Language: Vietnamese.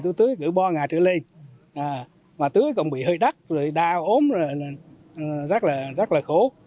tôi tưới cửa bò ngà trở lên mà tưới còn bị hơi đắt đau ốm rất là khổ